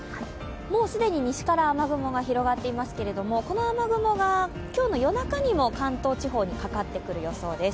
もう既に西から雨雲が広がっていますけれども、この雨雲が今日の世の中にも関東地方にかかってくる予想です。